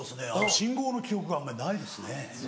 信号の記憶があんまりないですね。